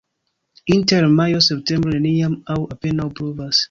Inter majo-septembro neniam aŭ apenaŭ pluvas.